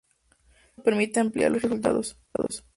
Esto permite ampliar los resultados.